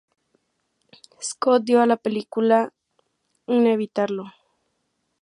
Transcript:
Scott dio a la película un Evitarlo.